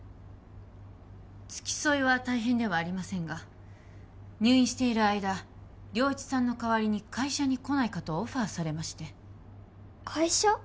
付き添いは大変ではありませんが入院している間良一さんの代わりに会社に来ないかとオファーされまして会社？